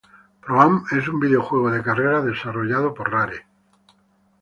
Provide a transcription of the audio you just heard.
Pro-Am es un videojuego de carreras desarrollado por Rare.